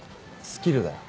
スキルだよ。